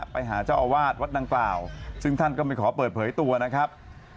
ไปหาเจ้าอาวาสวัดดังกล่าวซึ่งท่านก็ไม่ขอเปิดเผยตัวนะครับ